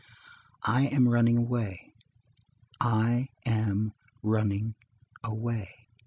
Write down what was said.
I am running away! I–am–running–away!